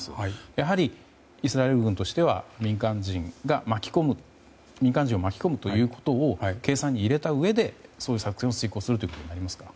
やはりイスラエル軍としては民間人を巻き込むということを計算に入れたうえでそういう作戦を遂行することになりますか？